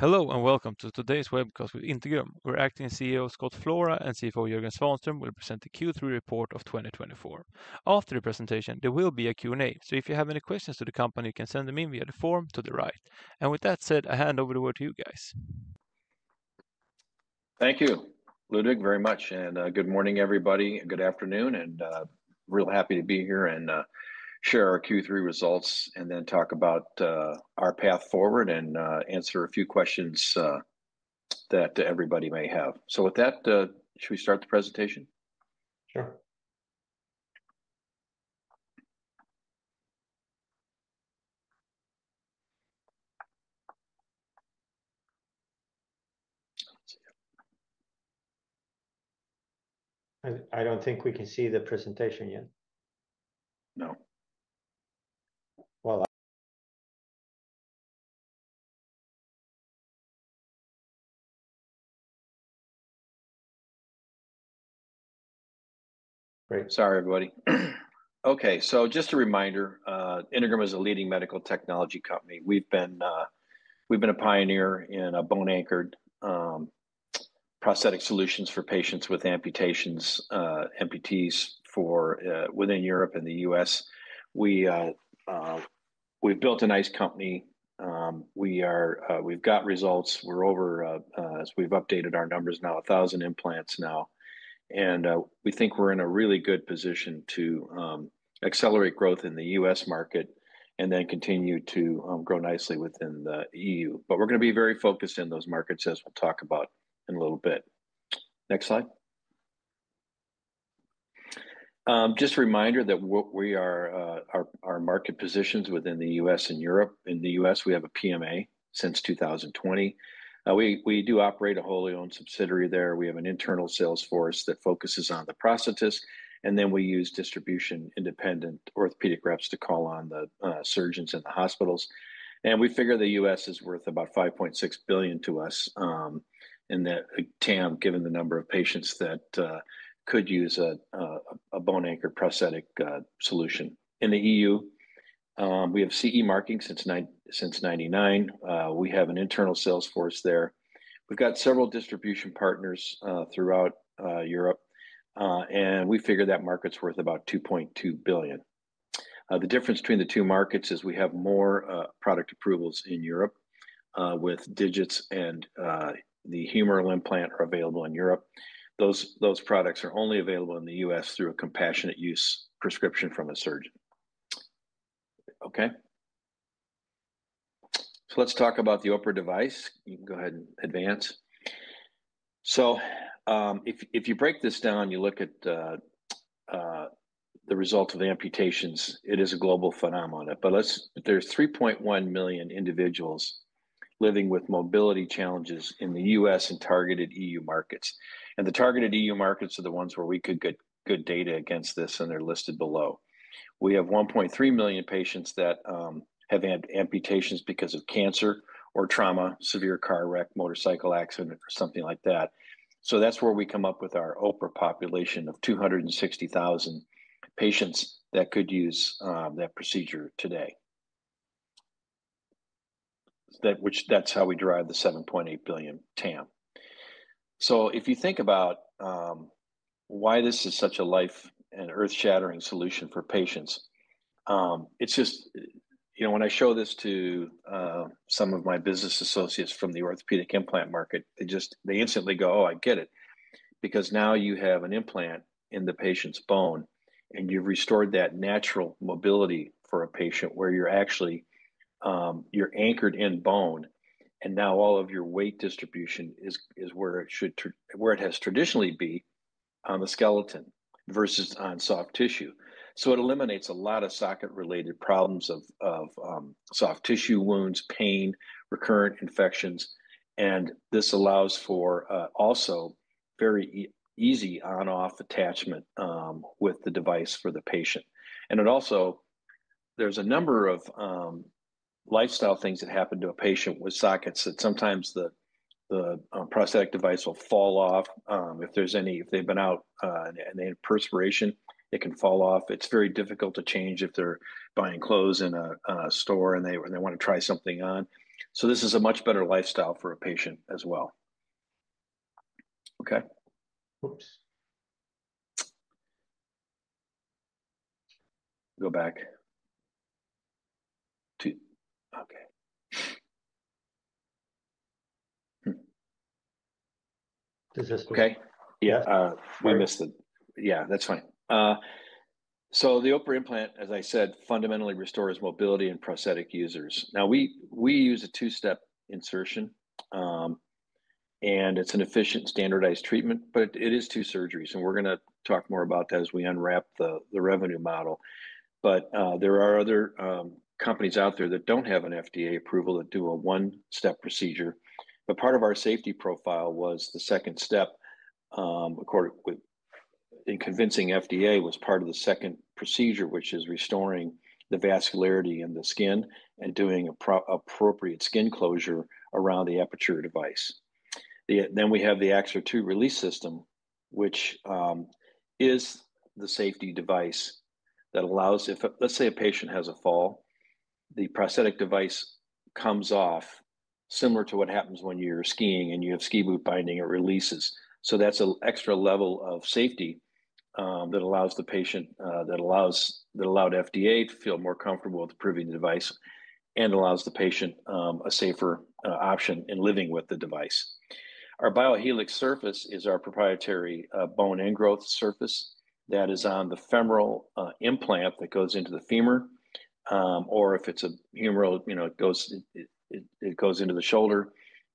Hello and welcome to today's webcast with Integrum. Our Acting CEO Scott Flora and CFO Jörgen Svanström will present the Q3 report of 2024. After the presentation, there will be a Q&A, so if you have any questions for the company, you can send them in via the form to the right. With that said, I hand over the word to you guys. Thank you, Ludwig, very much. Good morning, everybody. Good afternoon. I am real happy to be here and share our Q3 results and then talk about our path forward and answer a few questions that everybody may have. With that, should we start the presentation? Sure. I don't think we can see the presentation yet. No. Well. Great. Sorry, everybody. Okay, just a reminder, Integrum is a leading medical technology company. We've been a pioneer in bone-anchored prosthetic solutions for patients with amputations, amputees within Europe and the U.S. We've built a nice company. We've got results. We're over, as we've updated our numbers, now 1,000 implants now. We think we're in a really good position to accelerate growth in the U.S market and then continue to grow nicely within the EU. We are going to be very focused in those markets, as we'll talk about in a little bit. Next slide. Just a reminder that what we are, our market positions within the U.S. and Europe. In the U.S., we have a PMA since 2020. We do operate a wholly owned subsidiary there. We have an internal sales force that focuses on the prosthetists. We use distribution-independent orthopedic reps to call on the surgeons in the hospitals. We figure the U.S. is worth about $5.6 billion to us in that TAM, given the number of patients that could use a bone-anchored prosthetic solution. In the EU, we have CE markings since 1999. We have an internal sales force there. We have several distribution partners throughout Europe. We figure that market is worth about $2.2 billion. The difference between the two markets is we have more product approvals in Europe with digits and the humeral implant available in Europe. Those products are only available in the U.S. through a compassionate use prescription from a surgeon. Okay. Let's talk about the OPRA device. You can go ahead and advance. If you break this down, you look at the results of the amputations, it is a global phenomenon. There are 3.1 million individuals living with mobility challenges in the U.S. and targeted EU markets. The targeted EU markets are the ones where we could get good data against this, and they are listed below. We have 1.3 million patients that have had amputations because of cancer or trauma, severe car wreck, motorcycle accident, or something like that. That is where we come up with our OPRA population of 260,000 patients that could use that procedure today. That is how we derive the $7.8 billion TAM. If you think about why this is such a life and earth-shattering solution for patients, it's just, you know, when I show this to some of my business associates from the orthopedic implant market, they just, they instantly go, "Oh, I get it." Because now you have an implant in the patient's bone, and you've restored that natural mobility for a patient where you're actually, you're anchored in bone. Now all of your weight distribution is where it should, where it has traditionally been on the skeleton versus on soft tissue. It eliminates a lot of socket-related problems of soft tissue wounds, pain, recurrent infections. This allows for also very easy on-off attachment with the device for the patient. It also, there's a number of lifestyle things that happen to a patient with sockets that sometimes the prosthetic device will fall off. If there's any, if they've been out and they have perspiration, it can fall off. It's very difficult to change if they're buying clothes in a store and they want to try something on. This is a much better lifestyle for a patient as well. Okay. Oops. Go back. Okay. Does this work? Okay. Yeah. We missed it. Yeah, that's fine. So the OPRA Implant System, as I said, fundamentally restores mobility in prosthetic users. Now, we use a two-step insertion, and it's an efficient standardized treatment, but it is two surgeries. We are going to talk more about that as we unwrap the revenue model. There are other companies out there that do not have an FDA approval that do a one-step procedure. Part of our safety profile was the second step in convincing FDA, which is part of the second procedure, which is restoring the vascularity in the skin and doing appropriate skin closure around the abutment device. We have the Axor II release system, which is the safety device that allows, if, let's say, a patient has a fall, the prosthetic device comes off similar to what happens when you're skiing and you have a ski boot binding or releases. That's an extra level of safety that allows the patient, that allows the FDA to feel more comfortable with approving the device and allows the patient a safer option in living with the device. Our BioHelix surface is our proprietary bone ingrowth surface that is on the femoral implant that goes into the femur, or if it's a humeral, you know, it goes, it goes into the shoulder.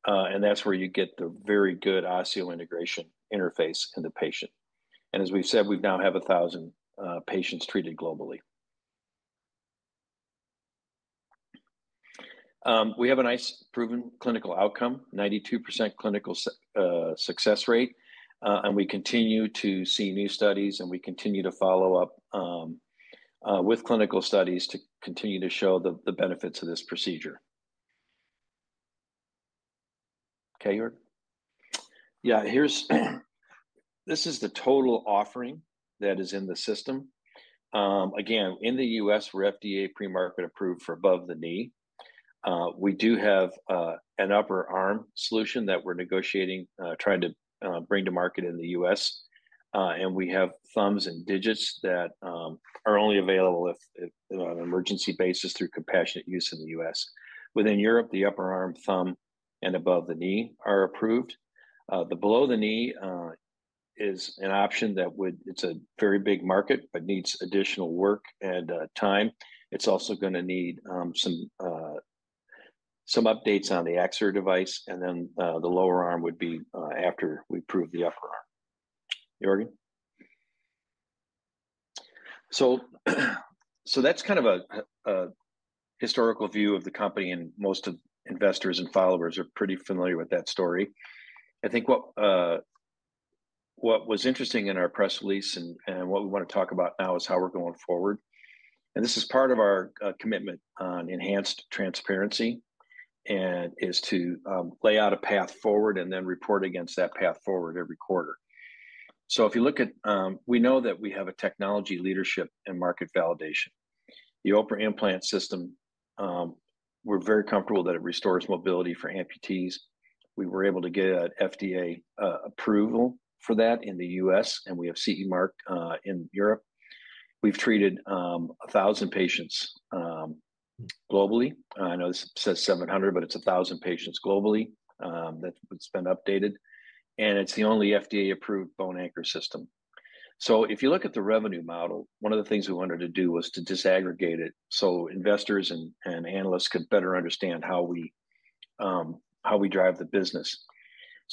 That's where you get the very good osseointegration interface in the patient. As we said, we now have 1,000 patients treated globally. We have a nice proven clinical outcome, 92% clinical success rate. We continue to see new studies, and we continue to follow up with clinical studies to continue to show the benefits of this procedure. Okay, Jörgen? Yeah, here's, this is the total offering that is in the system. Again, in the U.S., we're FDA pre-market approved for above the knee. We do have an upper arm solution that we're negotiating, trying to bring to market in the U.S. We have thumbs and digits that are only available if on an emergency basis through compassionate use in the U.S. Within Europe, the upper arm, thumb, and above the knee are approved. The below the knee is an option that would, it's a very big market, but needs additional work and time. It's also going to need some updates on the Axor device. The lower arm would be after we prove the upper arm. Jörgen. That's kind of a historical view of the company. Most investors and followers are pretty familiar with that story. I think what was interesting in our press release and what we want to talk about now is how we're going forward. This is part of our commitment on enhanced transparency and is to lay out a path forward and then report against that path forward every quarter. If you look at, we know that we have a technology leadership and market validation. The OPRA Implant System, we're very comfortable that it restores mobility for amputees. We were able to get FDA approval for that in the U.S., and we have CE Mark in Europe. We've treated 1,000 patients globally. I know this says 700, but it's 1,000 patients globally that would have been updated. It is the only FDA approved bone-anchored system. If you look at the revenue model, one of the things we wanted to do was to disaggregate it so investors and analysts could better understand how we drive the business.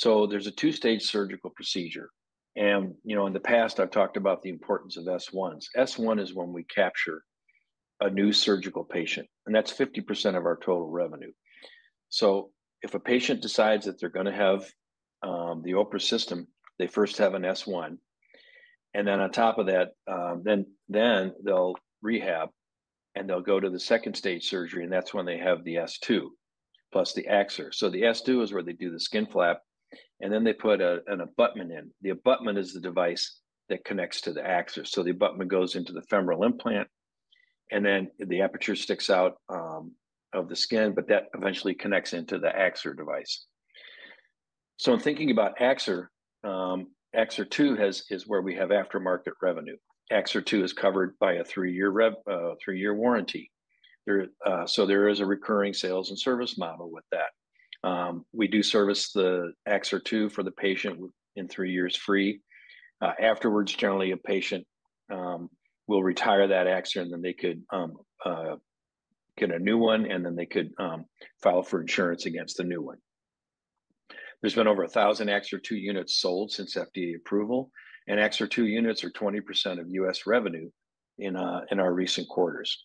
There is a two-stage surgical procedure. You know, in the past, I've talked about the importance of S1s. S1 is when we capture a new surgical patient. That is 50% of our total revenue. If a patient decides that they're going to have the OPRA system, they first have an S1. On top of that, they'll rehab and they'll go to the second stage surgery. That is when they have the S2 plus the Axor. The S2 is where they do the skin flap. Then they put an abutment in. The abutment is the device that connects to the Axor. The abutment goes into the femoral implant. The aperture sticks out of the skin, but that eventually connects into the Axor device. In thinking about Axor, Axor II is where we have aftermarket revenue. Axor II is covered by a three-year warranty. There is a recurring sales and service model with that. We do service the Axor II for the patient in three years free. Afterwards, generally, a patient will retire that Axor, and then they could get a new one, and then they could file for insurance against the new one. There have been over 1,000 Axor II units sold since FDA approval. Axor II units are 20% of U.S. revenue in our recent quarters.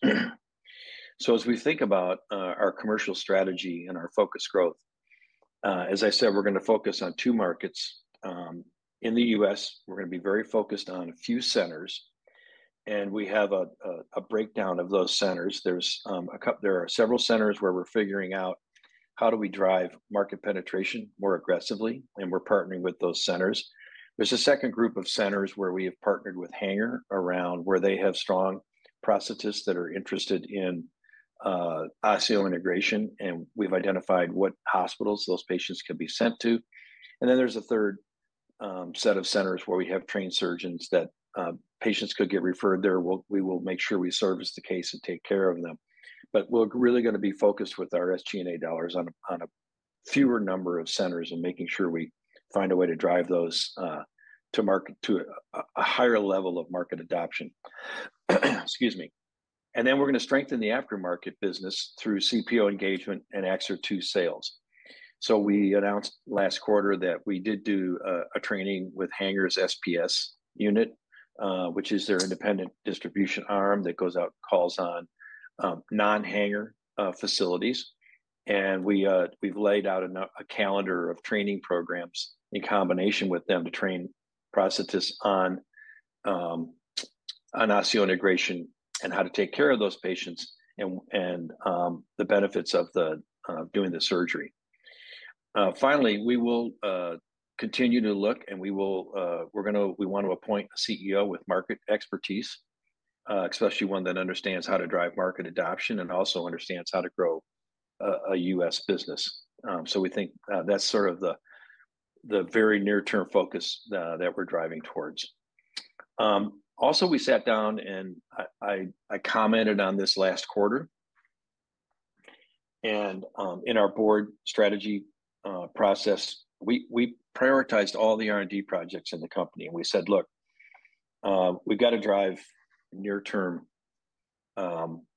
As we think about our commercial strategy and our focus growth, as I said, we're going to focus on two markets. In the U.S., we're going to be very focused on a few centers. We have a breakdown of those centers. There are several centers where we're figuring out how do we drive market penetration more aggressively. We're partnering with those centers. There's a second group of centers where we have partnered with Hanger around where they have strong prosthetists that are interested in osseointegration. We've identified what hospitals those patients can be sent to. There's a third set of centers where we have trained surgeons that patients could get referred there. We will make sure we service the case and take care of them. We're really going to be focused with our SG&A dollars on a fewer number of centers and making sure we find a way to drive those to a higher level of market adoption. Excuse me. We're going to strengthen the aftermarket business through CPO engagement and Axor II sales. We announced last quarter that we did do a training with Hanger's SPS unit, which is their independent distribution arm that goes out and calls on non-Hanger facilities. We have laid out a calendar of training programs in combination with them to train prosthetists on osseointegration and how to take care of those patients and the benefits of doing the surgery. Finally, we will continue to look, and we want to appoint a CEO with market expertise, especially one that understands how to drive market adoption and also understands how to grow a U.S. business. We think that's sort of the very near-term focus that we're driving towards. Also, we sat down and I commented on this last quarter. In our board strategy process, we prioritized all the R&D projects in the company. We said, "Look, we've got to drive near-term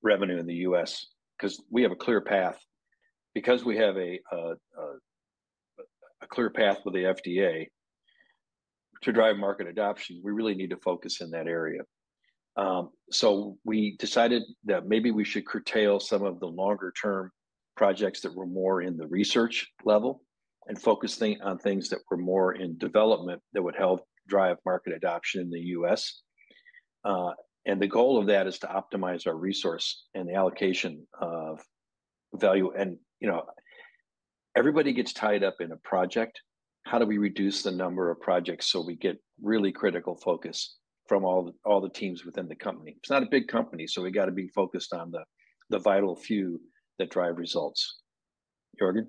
revenue in the U.S. because we have a clear path. Because we have a clear path with the FDA to drive market adoption, we really need to focus in that area." We decided that maybe we should curtail some of the longer-term projects that were more in the research level and focus on things that were more in development that would help drive market adoption in the U.S. The goal of that is to optimize our resource and the allocation of value. You know, everybody gets tied up in a project. How do we reduce the number of projects so we get really critical focus from all the teams within the company? It's not a big company, so we got to be focused on the vital few that drive results. Jörgen.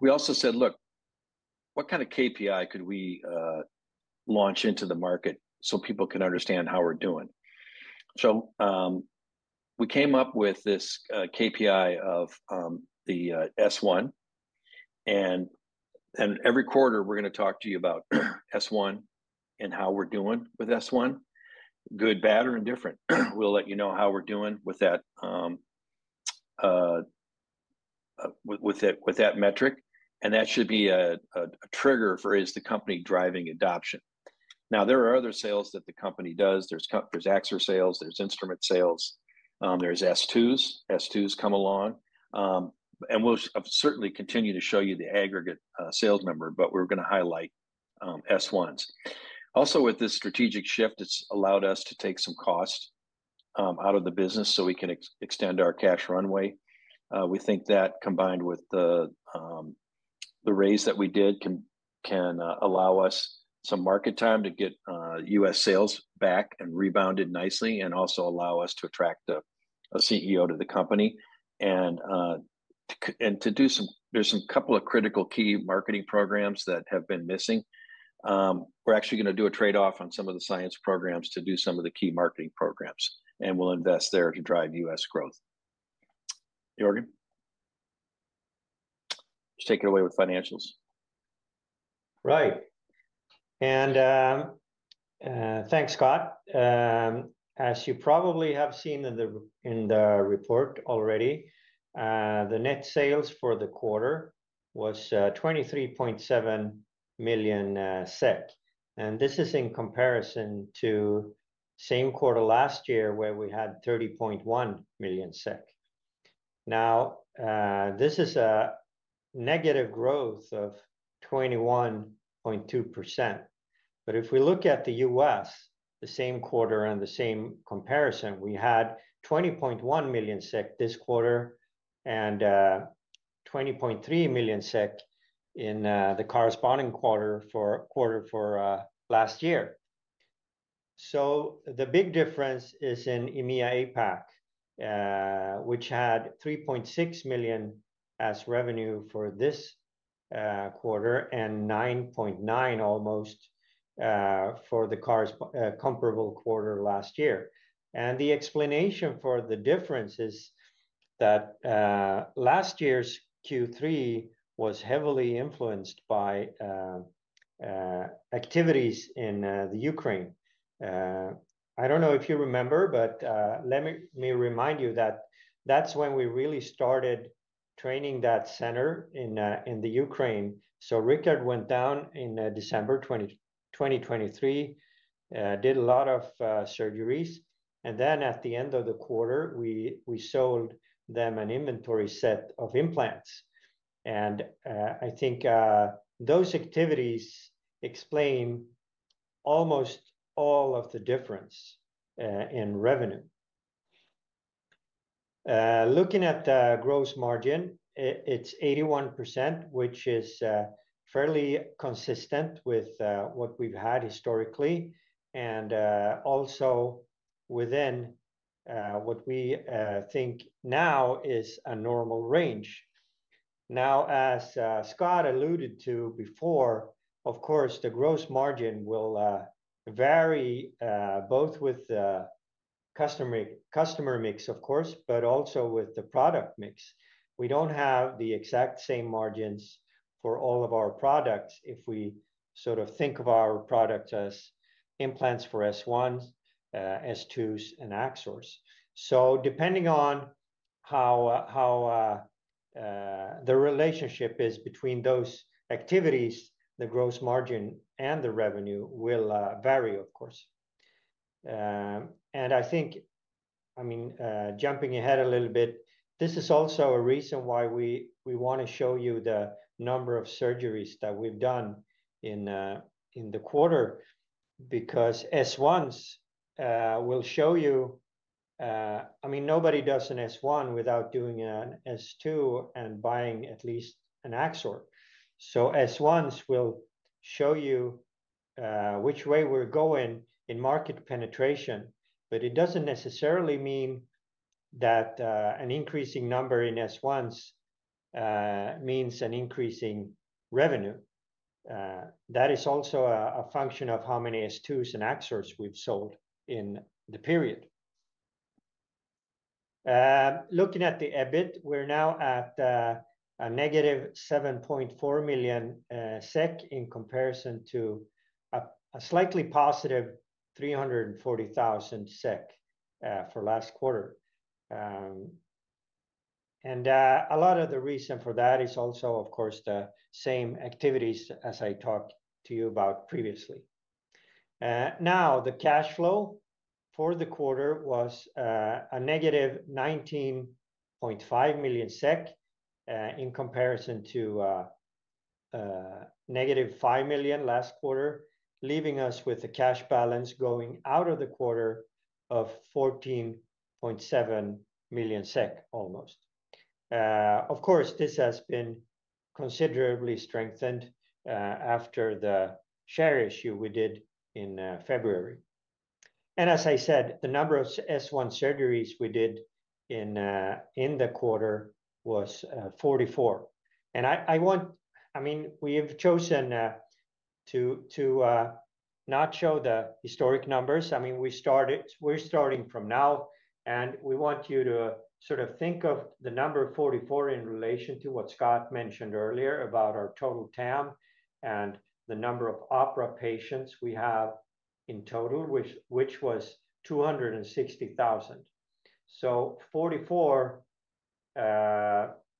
We also said, "Look, what kind of KPI could we launch into the market so people can understand how we're doing?" We came up with this KPI of the S1. Every quarter, we're going to talk to you about S1 and how we're doing with S1, good, bad, or indifferent. We'll let you know how we're doing with that metric. That should be a trigger for, is the company driving adoption? There are other sales that the company does. There's Axor sales, there's instrument sales, there's S2s. S2s come along. We'll certainly continue to show you the aggregate sales number, but we're going to highlight S1s. Also, with this strategic shift, it's allowed us to take some cost out of the business so we can extend our cash runway. We think that combined with the raise that we did can allow us some market time to get U.S. sales back and rebounded nicely and also allow us to attract a CEO to the company. To do some, there's a couple of critical key marketing programs that have been missing. We're actually going to do a trade-off on some of the science programs to do some of the key marketing programs. We'll invest there to drive U.S. growth. Jörgen, just take it away with financials. Right. Thanks, Scott. As you probably have seen in the report already, the net sales for the quarter was 23.7 million SEK. This is in comparison to the same quarter last year where we had 30.1 million SEK. This is a negative growth of 21.2%. If we look at the U.S., the same quarter and the same comparison, we had 20.1 million SEK this quarter and 20.3 million SEK in the corresponding quarter for last year. The big difference is in EMEA APAC, which had 3.6 million as revenue for this quarter and 9.9 million almost for the comparable quarter last year. The explanation for the difference is that last year's Q3 was heavily influenced by activities in Ukraine. I do not know if you remember, but let me remind you that is when we really started training that center in Ukraine. Rickard went down in December 2023, did a lot of surgeries. At the end of the quarter, we sold them an inventory set of implants. I think those activities explain almost all of the difference in revenue. Looking at the gross margin, it is 81%, which is fairly consistent with what we have had historically and also within what we think now is a normal range. As Scott alluded to before, of course, the gross margin will vary both with the customer mix, of course, but also with the product mix. We do not have the exact same margins for all of our products if we sort of think of our products as implants for S1s, S2s, and Axors. Depending on how the relationship is between those activities, the gross margin and the revenue will vary, of course. I think, I mean, jumping ahead a little bit, this is also a reason why we want to show you the number of surgeries that we've done in the quarter because S1s will show you, I mean, nobody does an S1 without doing an S2 and buying at least an Axor. S1s will show you which way we're going in market penetration. It doesn't necessarily mean that an increasing number in S1s means an increasing revenue. That is also a function of how many S2s and Axors we've sold in the period. Looking at the EBIT, we're now at a negative 7.4 million SEK in comparison to a slightly positive 340,000 SEK for last quarter. A lot of the reason for that is also, of course, the same activities as I talked to you about previously. Now, the cash flow for the quarter was a negative 19.5 million SEK in comparison to negative 5 million last quarter, leaving us with a cash balance going out of the quarter of almost 14.7 million SEK. Of course, this has been considerably strengthened after the share issue we did in February. As I said, the number of S1 surgeries we did in the quarter was 44. I mean, we have chosen to not show the historic numbers. I mean, we're starting from now. We want you to sort of think of the number 44 in relation to what Scott mentioned earlier about our total TAM and the number of OPRA patients we have in total, which was 260,000. Forty-four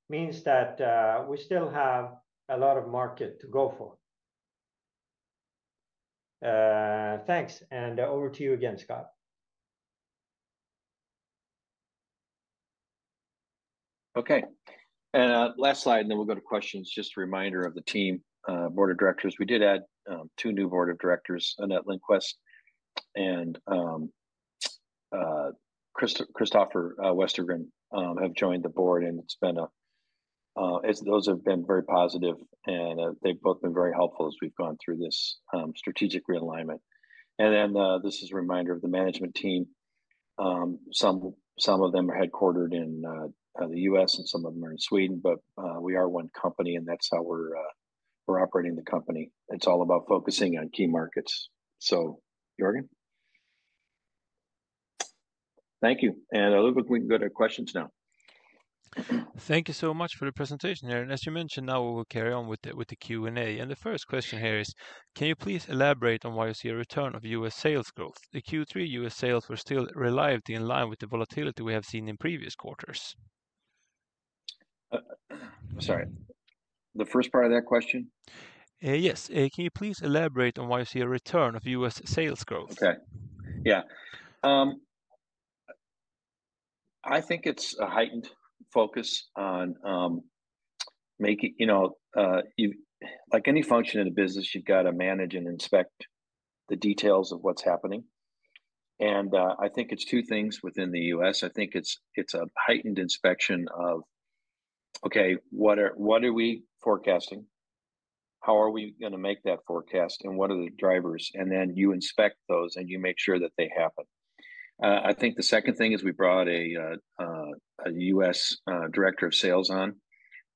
means that we still have a lot of market to go for. Thanks. Over to you again, Scott. Okay. Last slide, and then we'll go to questions. Just a reminder of the team board of directors. We did add two new board of directors, Anette Lindqvist and Kristofer Westergren have joined the board. It's been a, those have been very positive. They've both been very helpful as we've gone through this strategic realignment. This is a reminder of the management team. Some of them are headquartered in the U.S., and some of them are in Sweden. We are one company, and that's how we're operating the company. It's all about focusing on key markets. Jörgen. Thank you. We can go to questions now. Thank you so much for the presentation here. As you mentioned, now we'll carry on with the Q&A. The first question here is, can you please elaborate on why you see a return of U.S. sales growth? The Q3 U.S. sales were still reliably in line with the volatility we have seen in previous quarters. I'm sorry. The first part of that question? Yes. Can you please elaborate on why you see a return of U.S. sales growth? Okay. Yeah. I think it's a heightened focus on making, you know, like any function in a business, you've got to manage and inspect the details of what's happening. I think it's two things within the U.S. I think it's a heightened inspection of, okay, what are we forecasting? How are we going to make that forecast? And what are the drivers? You inspect those, and you make sure that they happen. I think the second thing is we brought a U.S. director of sales on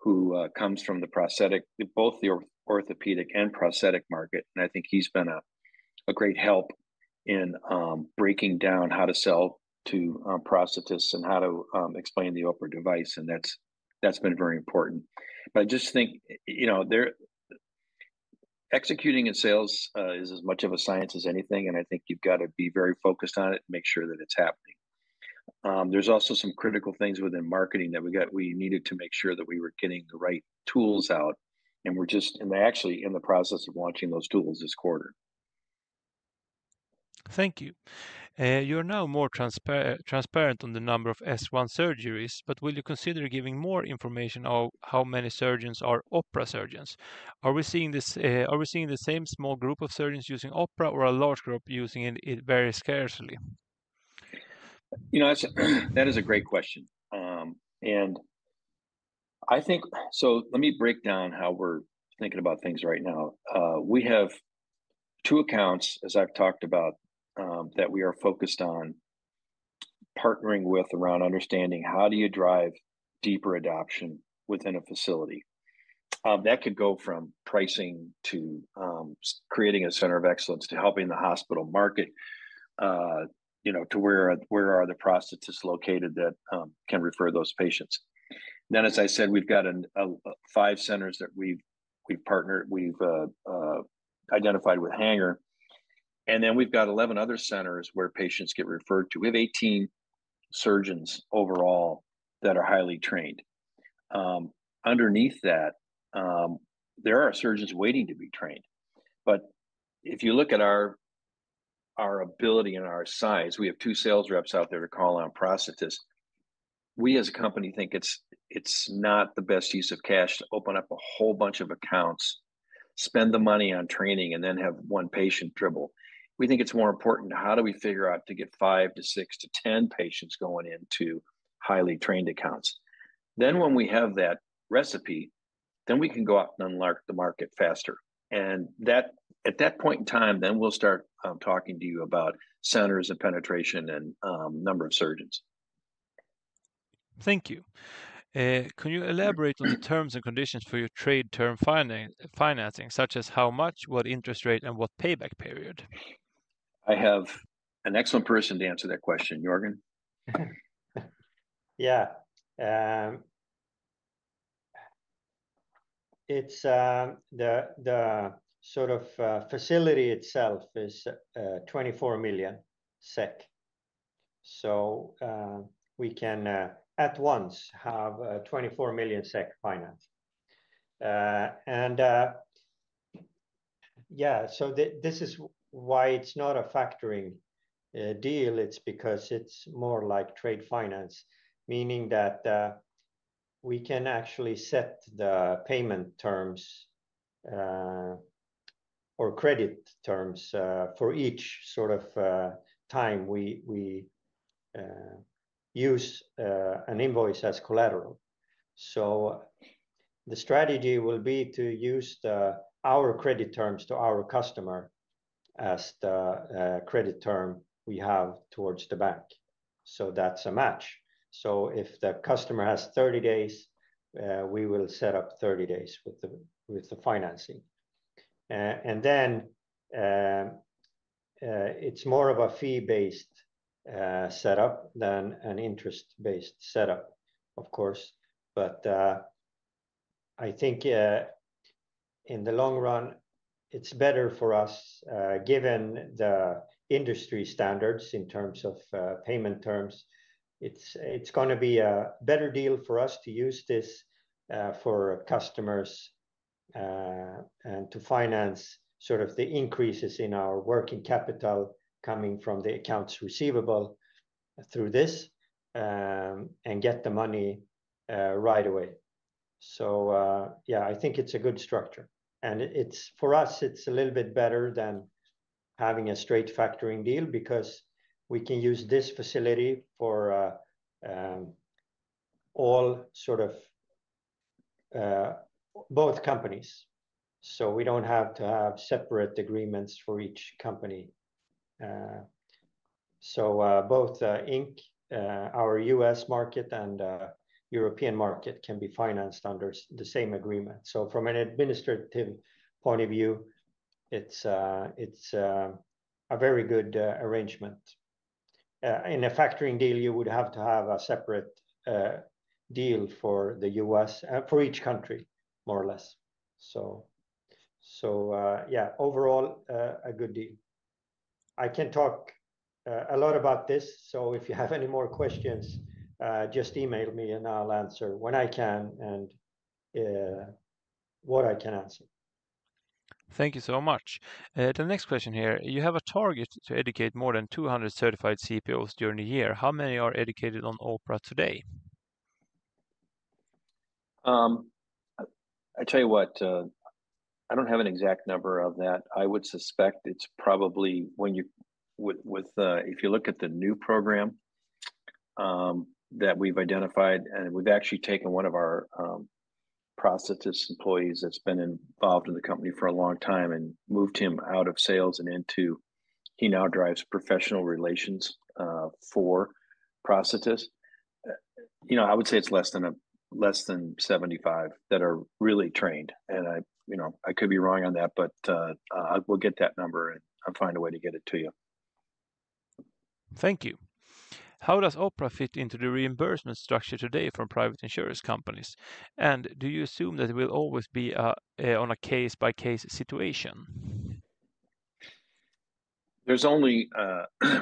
who comes from the prosthetic, both the orthopedic and prosthetic market. I think he's been a great help in breaking down how to sell to prosthetists and how to explain the OPRA device. That's been very important. I just think, you know, executing in sales is as much of a science as anything. I think you've got to be very focused on it and make sure that it's happening. There's also some critical things within marketing that we needed to make sure that we were getting the right tools out. We're just, and we're actually in the process of launching those tools this quarter. Thank you. You're now more transparent on the number of S1 surgeries, but will you consider giving more information on how many surgeons are OPRA surgeons? Are we seeing the same small group of surgeons using OPRA or a large group using it very scarcely? You know, that is a great question. I think, let me break down how we're thinking about things right now. We have two accounts, as I've talked about, that we are focused on partnering with around understanding how do you drive deeper adoption within a facility. That could go from pricing to creating a center of excellence to helping the hospital market, you know, to where are the prosthetists located that can refer those patients. As I said, we've got five centers that we've partnered, we've identified with Hanger. We've got 11 other centers where patients get referred to. We have 18 surgeons overall that are highly trained. Underneath that, there are surgeons waiting to be trained. If you look at our ability and our size, we have two sales reps out there to call on prosthetists. We, as a company, think it's not the best use of cash to open up a whole bunch of accounts, spend the money on training, and then have one patient dribble. We think it's more important how do we figure out to get five to six to ten patients going into highly trained accounts. When we have that recipe, we can go out and unlock the market faster. At that point in time, we'll start talking to you about centers of penetration and number of surgeons. Thank you. Can you elaborate on the terms and conditions for your trade term financing, such as how much, what interest rate, and what payback period? I have an excellent person to answer that question. Jörgen. Yeah. The sort of facility itself is 24 million SEK. We can at once have 24 million SEK finance. This is why it's not a factoring deal. It's because it's more like trade finance, meaning that we can actually set the payment terms or credit terms for each sort of time. We use an invoice as collateral. The strategy will be to use our credit terms to our customer as the credit term we have towards the bank. That's a match. If the customer has 30 days, we will set up 30 days with the financing. It's more of a fee-based setup than an interest-based setup, of course. I think in the long run, it's better for us, given the industry standards in terms of payment terms. It's going to be a better deal for us to use this for customers and to finance sort of the increases in our working capital coming from the accounts receivable through this and get the money right away. Yeah, I think it's a good structure. For us, it's a little bit better than having a straight factoring deal because we can use this facility for all sort of both companies. We don't have to have separate agreements for each company. Both our U.S. market and European market can be financed under the same agreement. From an administrative point of view, it's a very good arrangement. In a factoring deal, you would have to have a separate deal for the U.S. for each country, more or less. Yeah, overall, a good deal. I can talk a lot about this. If you have any more questions, just email me and I'll answer when I can and what I can answer. Thank you so much. The next question here. You have a target to educate more than 200 certified CPOs during the year. How many are educated on OPRA today? I tell you what, I don't have an exact number of that. I would suspect it's probably when you, if you look at the new program that we've identified, and we've actually taken one of our prosthetist employees that's been involved in the company for a long time and moved him out of sales and into he now drives professional relations for prosthetists. You know, I would say it's less than 75 that are really trained. And I, you know, I could be wrong on that, but we'll get that number and I'll find a way to get it to you. Thank you. How does OPRA fit into the reimbursement structure today from private insurance companies? And do you assume that it will always be on a case-by-case situation? There's only,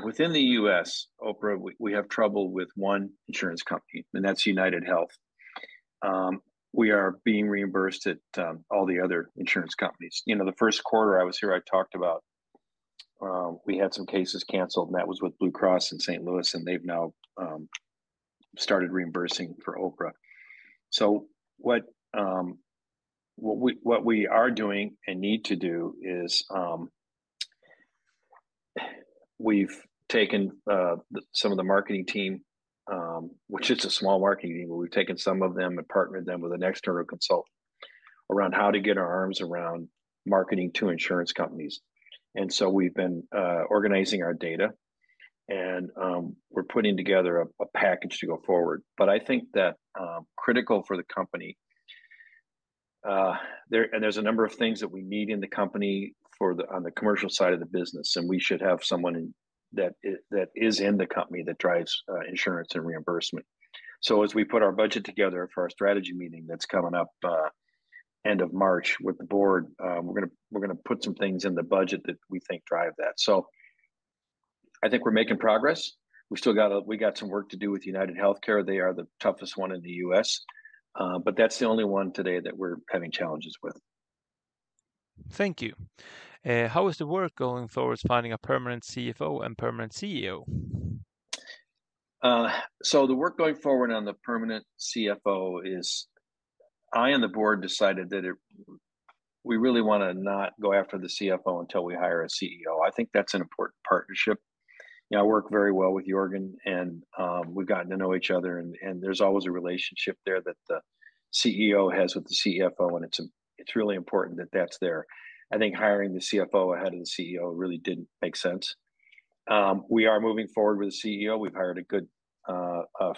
within the U.S., OPRA, we have trouble with one insurance company, and that's UnitedHealth. We are being reimbursed at all the other insurance companies. You know, the first quarter I was here, I talked about we had some cases canceled, and that was with Blue Cross and St. Louis, and they've now started reimbursing for OPRA. What we are doing and need to do is we've taken some of the marketing team, which is a small marketing team, but we've taken some of them and partnered them with an external consultant around how to get our arms around marketing to insurance companies. We've been organizing our data, and we're putting together a package to go forward. I think that critical for the company, and there's a number of things that we need in the company on the commercial side of the business, and we should have someone that is in the company that drives insurance and reimbursement. As we put our budget together for our strategy meeting that's coming up end of March with the board, we're going to put some things in the budget that we think drive that. I think we're making progress. We still got some work to do with UnitedHealth. They are the toughest one in the U.S., but that's the only one today that we're having challenges with. Thank you. How is the work going forward finding a permanent CFO and permanent CEO? The work going forward on the permanent CFO is I and the board decided that we really want to not go after the CFO until we hire a CEO. I think that's an important partnership. I work very well with Jörgen, and we've gotten to know each other, and there's always a relationship there that the CEO has with the CFO, and it's really important that that's there. I think hiring the CFO ahead of the CEO really didn't make sense. We are moving forward with the CEO. We've hired a good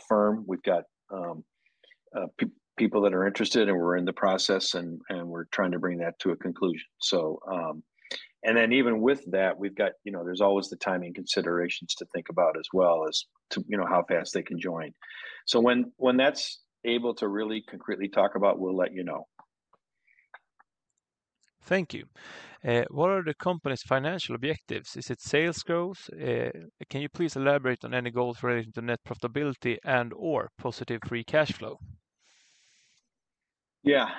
firm. We've got people that are interested, and we're in the process, and we're trying to bring that to a conclusion. Even with that, we've got, you know, there's always the timing considerations to think about as well as how fast they can join. When that's able to really concretely talk about, we'll let you know. Thank you. What are the company's financial objectives? Is it sales growth? Can you please elaborate on any goals relating to net profitability and/or positive free cash flow? Yeah.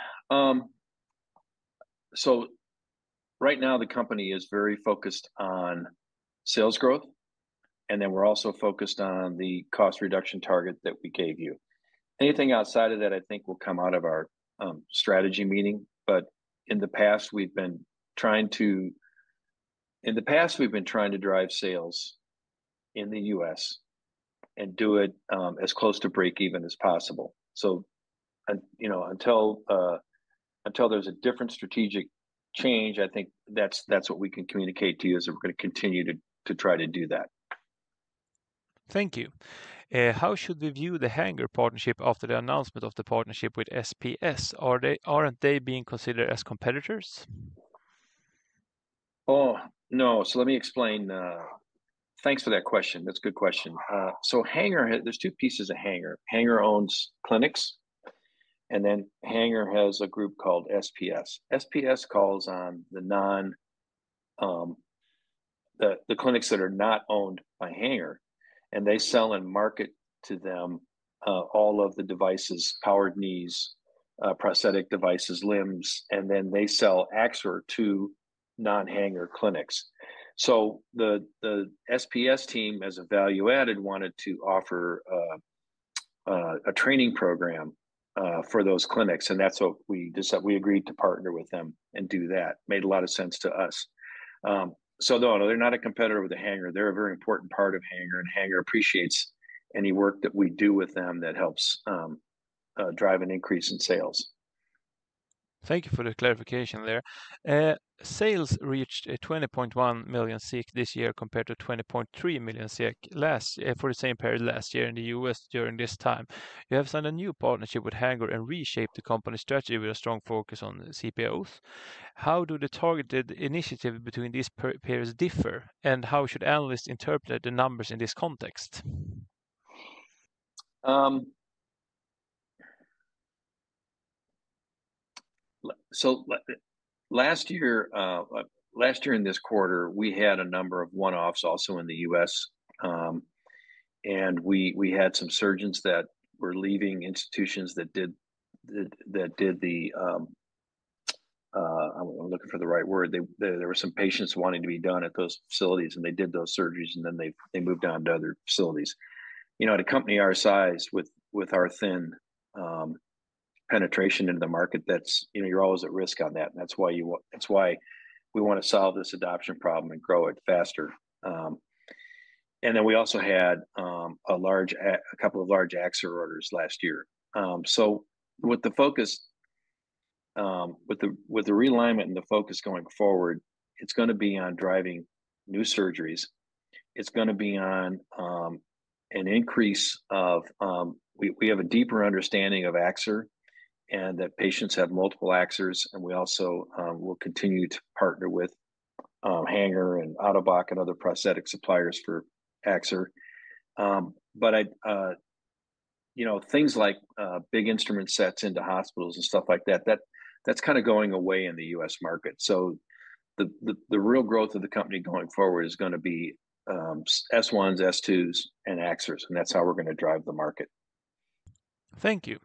Right now, the company is very focused on sales growth, and then we're also focused on the cost reduction target that we gave you. Anything outside of that, I think, will come out of our strategy meeting. In the past, we've been trying to drive sales in the U.S. and do it as close to break-even as possible. Until there's a different strategic change, I think that's what we can communicate to you is that we're going to continue to try to do that. Thank you. How should we view the Hanger partnership after the announcement of the partnership with SPS? Aren't they being considered as competitors? Oh, no. Let me explain. Thanks for that question. That's a good question. Hanger, there's two pieces of Hanger. Hanger owns clinics, and then Hanger has a group called SPS. SPS calls on the clinics that are not owned by Hanger, and they sell and market to them all of the devices, powered knees, prosthetic devices, limbs, and then they sell Axor to non-Hanger clinics. The SPS team, as a value added, wanted to offer a training program for those clinics, and that's what we agreed to partner with them and do that. Made a lot of sense to us. No, they're not a competitor with Hanger. They're a very important part of Hanger, and Hanger appreciates any work that we do with them that helps drive an increase in sales. Thank you for the clarification there. Sales reached 20.1 million this year compared to 20.3 million for the same period last year in the U.S. during this time. You have signed a new partnership with Hanger and reshaped the company strategy with a strong focus on CPOs. How do the targeted initiative between these periods differ, and how should analysts interpret the numbers in this context? Last year, last year in this quarter, we had a number of one-offs also in the U.S., and we had some surgeons that were leaving institutions that did the, I'm looking for the right word. There were some patients wanting to be done at those facilities, and they did those surgeries, and then they moved on to other facilities. You know, at a company our size with our thin penetration into the market, that's, you know, you're always at risk on that, and that's why we want to solve this adoption problem and grow it faster. We also had a couple of large Axor orders last year. With the focus, with the realignment and the focus going forward, it's going to be on driving new surgeries. It's going to be on an increase of, we have a deeper understanding of Axor and that patients have multiple Axors, and we also will continue to partner with Hanger and Ottobock and other prosthetic suppliers for Axor. You know, things like big instrument sets into hospitals and stuff like that, that's kind of going away in the U.S. market. The real growth of the company going forward is going to be S1s, S2s, and Axors, and that's how we're going to drive the market. Thank you.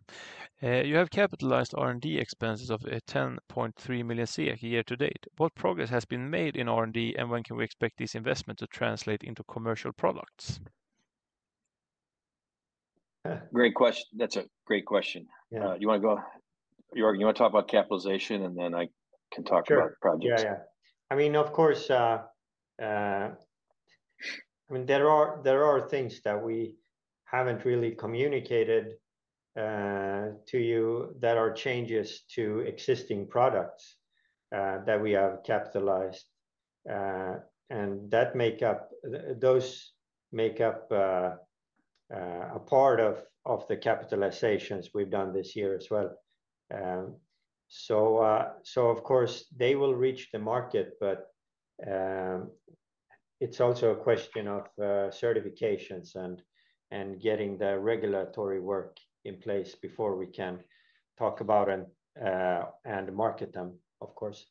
You have capitalized R&D expenses of 10.3 million year to date. What progress has been made in R&D, and when can we expect these investments to translate into commercial products? Great question. That's a great question. Do you want to go, Jörgen, you want to talk about capitalization, and then I can talk about projects? Sure. Yeah, yeah. I mean, of course, I mean, there are things that we haven't really communicated to you that are changes to existing products that we have capitalized. And that make up, those make up a part of the capitalizations we've done this year as well. Of course, they will reach the market, but it's also a question of certifications and getting the regulatory work in place before we can talk about and market them, of course.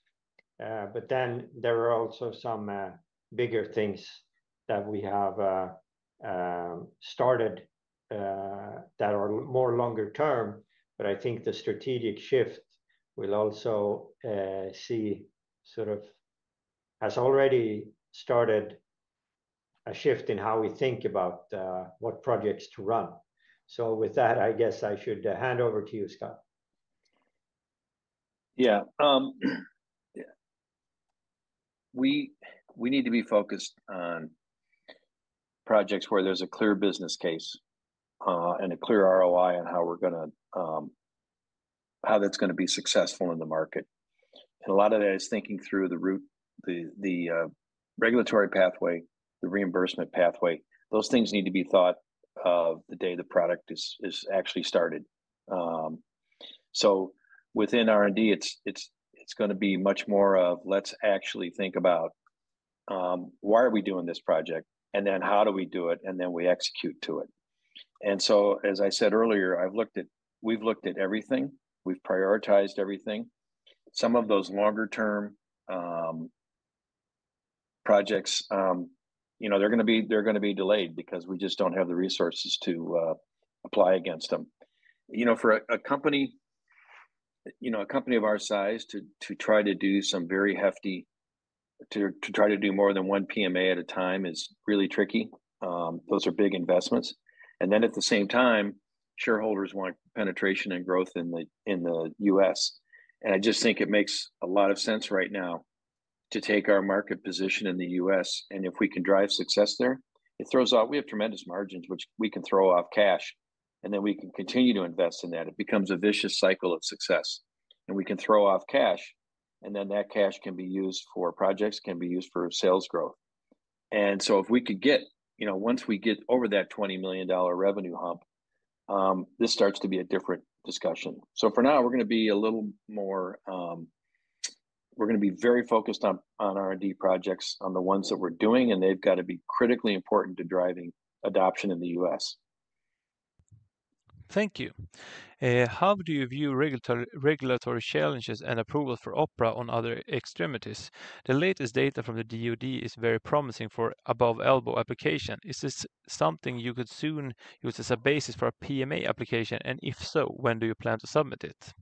There are also some bigger things that we have started that are more longer term, but I think the strategic shift will also see sort of has already started a shift in how we think about what projects to run. With that, I guess I should hand over to you, Scott. Yeah. We need to be focused on projects where there's a clear business case and a clear ROI on how we're going to, how that's going to be successful in the market. A lot of that is thinking through the route, the regulatory pathway, the reimbursement pathway. Those things need to be thought of the day the product is actually started. Within R&D, it's going to be much more of, let's actually think about why are we doing this project, and then how do we do it, and then we execute to it. As I said earlier, I've looked at, we've looked at everything. We've prioritized everything. Some of those longer-term projects, you know, they're going to be delayed because we just don't have the resources to apply against them. You know, for a company, you know, a company of our size to try to do some very hefty, to try to do more than one PMA at a time is really tricky. Those are big investments. At the same time, shareholders want penetration and growth in the U.S. I just think it makes a lot of sense right now to take our market position in the U.S., and if we can drive success there, it throws off, we have tremendous margins, which we can throw off cash, and then we can continue to invest in that. It becomes a vicious cycle of success. We can throw off cash, and then that cash can be used for projects, can be used for sales growth. If we could get, you know, once we get over that $20 million revenue hump, this starts to be a different discussion. For now, we're going to be a little more, we're going to be very focused on R&D projects, on the ones that we're doing, and they've got to be critically important to driving adoption in the U.S. Thank you. How do you view regulatory challenges and approvals for OPRA on other extremities? The latest data from the DOD is very promising for above-elbow application. Is this something you could soon use as a basis for a PMA application, and if so, when do you plan to submit it?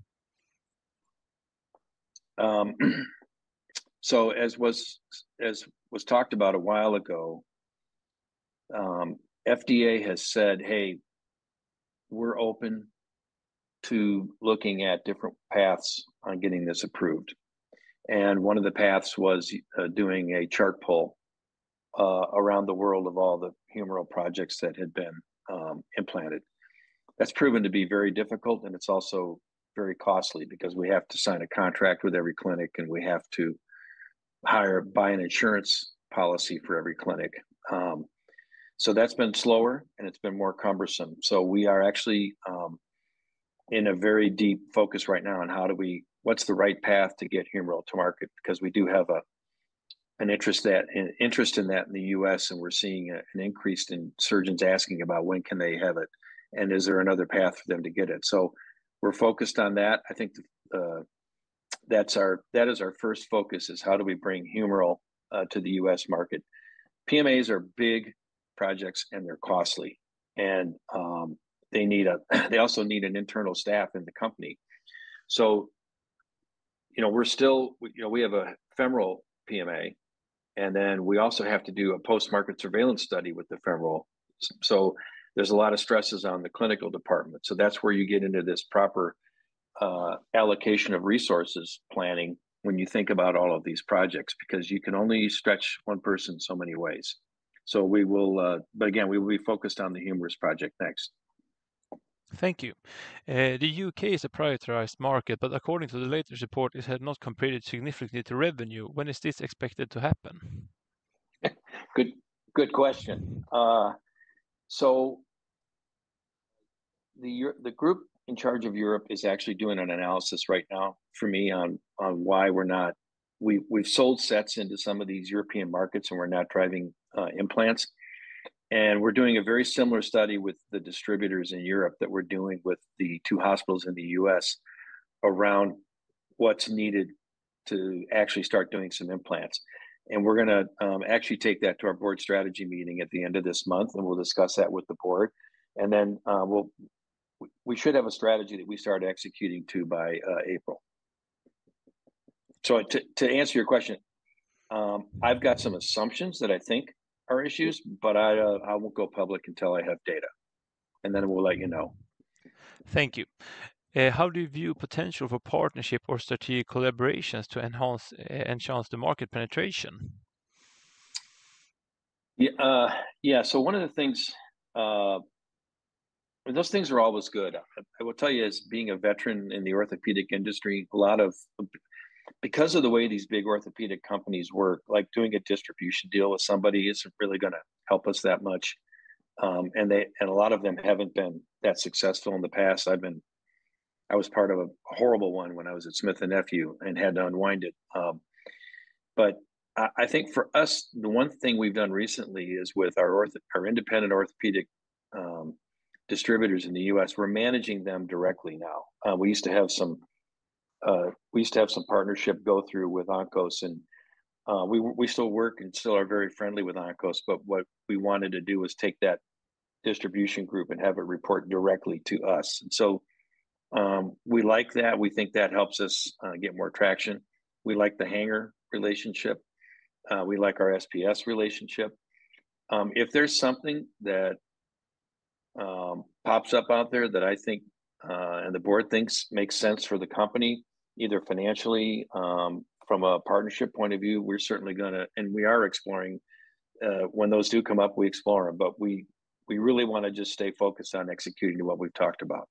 As was talked about a while ago, FDA has said, hey, we're open to looking at different paths on getting this approved. One of the paths was doing a chart pull around the world of all the humeral projects that had been implanted. That's proven to be very difficult, and it's also very costly because we have to sign a contract with every clinic, and we have to hire, buy an insurance policy for every clinic. That's been slower, and it's been more cumbersome. We are actually in a very deep focus right now on how do we, what's the right path to get humeral to market because we do have an interest in that in the U.S., and we're seeing an increase in surgeons asking about when can they have it, and is there another path for them to get it. We're focused on that. I think that is our first focus, is how do we bring humeral to the U.S. market. PMAs are big projects, and they're costly, and they also need an internal staff in the company. You know, we're still, you know, we have a femoral PMA, and then we also have to do a post-market surveillance study with the femoral. There's a lot of stresses on the clinical department. That's where you get into this proper allocation of resources planning when you think about all of these projects, because you can only stretch one person so many ways. We will, but again, we will be focused on the humerus project next. Thank you. The U.K. is a prioritized market, but according to the latest report, it had not contributed significantly to revenue. When is this expected to happen? Good question. The group in charge of Europe is actually doing an analysis right now for me on why we're not, we've sold sets into some of these European markets, and we're not driving implants. We're doing a very similar study with the distributors in Europe that we're doing with the two hospitals in the U.S. around what's needed to actually start doing some implants. We're going to actually take that to our board strategy meeting at the end of this month, and we'll discuss that with the board. We should have a strategy that we start executing to by April. To answer your question, I've got some assumptions that I think are issues, but I won't go public until I have data. We'll let you know. Thank you. How do you view potential for partnership or strategic collaborations to enhance the market penetration? Yeah. One of the things, those things are always good. I will tell you, as being a veteran in the orthopedic industry, a lot of, because of the way these big orthopedic companies work, like doing a distribution deal with somebody is not really going to help us that much. A lot of them have not been that successful in the past. I was part of a horrible one when I was at Smith & Nephew and had to unwind it. I think for us, the one thing we have done recently is with our independent orthopedic distributors in the U.S., we are managing them directly now. We used to have some partnership go through with Onkos, and we still work and still are very friendly with Onkos, but what we wanted to do was take that distribution group and have it report directly to us. We like that. We think that helps us get more traction. We like the Hanger relationship. We like our SPS relationship. If there's something that pops up out there that I think, and the board thinks, makes sense for the company, either financially, from a partnership point of view, we're certainly going to, and we are exploring. When those do come up, we explore them, but we really want to just stay focused on executing what we've talked about.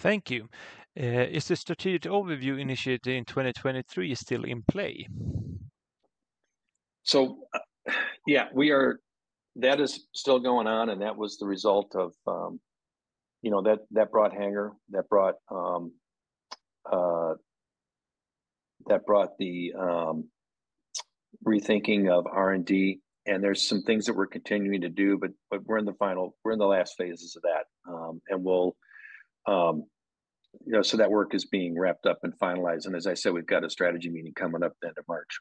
Thank you. Is the strategic overview initiated in 2023 still in play? Yeah, we are, that is still going on, and that was the result of, you know, that brought Hanger, that brought the rethinking of R&D, and there's some things that we're continuing to do, but we're in the final, we're in the last phases of that. We'll, you know, so that work is being wrapped up and finalized, and as I said, we've got a strategy meeting coming up at the end of March.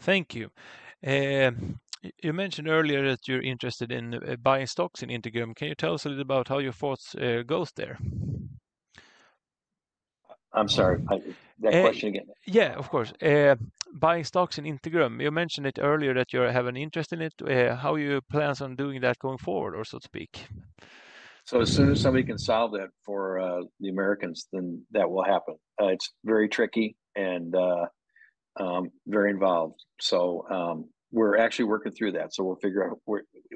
Thank you. You mentioned earlier that you're interested in buying stocks in Integrum. Can you tell us a little about how your thoughts go there? I'm sorry, that question again? Yeah, of course. Buying stocks in Integrum. You mentioned it earlier that you have an interest in it. How are your plans on doing that going forward, or so to speak? As soon as somebody can solve that for the Americans, that will happen. It's very tricky and very involved. We're actually working through that. We'll figure out,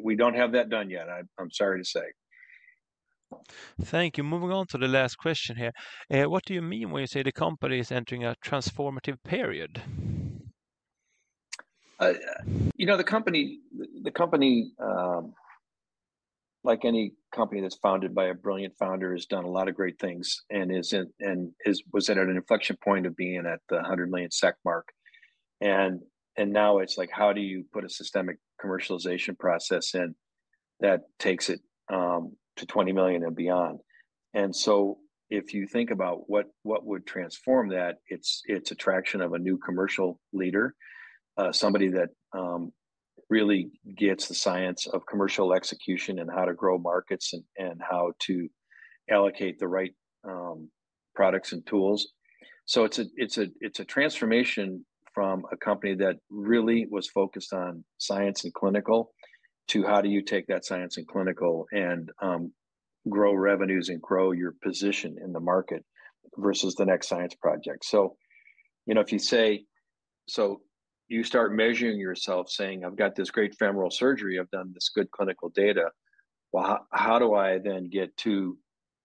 we don't have that done yet, I'm sorry to say. Thank you. Moving on to the last question here. What do you mean when you say the company is entering a transformative period? You know, the company, like any company that's founded by a brilliant founder, has done a lot of great things and was at an inflection point of being at the 100 million SEK mark. Now it's like, how do you put a systemic commercialization process in that takes it to 20 million and beyond? If you think about what would transform that, it's attraction of a new commercial leader, somebody that really gets the science of commercial execution and how to grow markets and how to allocate the right products and tools. It's a transformation from a company that really was focused on science and clinical to how do you take that science and clinical and grow revenues and grow your position in the market versus the next science project. If you say, you start measuring yourself saying, I've got this great femoral surgery, I've done this good clinical data, well, how do I then get to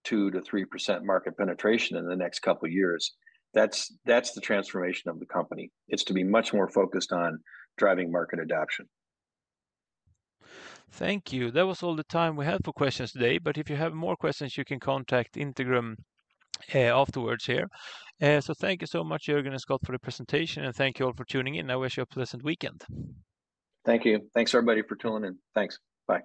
2%-3% market penetration in the next couple of years? That's the transformation of the company. It's to be much more focused on driving market adoption. Thank you. That was all the time we had for questions today, but if you have more questions, you can contact Integrum afterwards here. Thank you so much, Jörgen and Scott, for the presentation, and thank you all for tuning in. I wish you a pleasant weekend. Thank you. Thanks everybody for tuning in. Thanks. Bye.